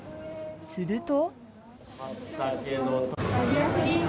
すると。